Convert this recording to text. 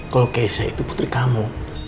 kalau keisai itu putri kamu